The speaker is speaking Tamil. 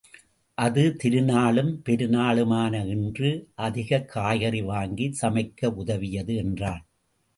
அது, திருநாளும் பெருநாளுமான இன்று, அதிகக் காய்கறி வாங்கிச் சமைக்க உதவியது என்றாள்.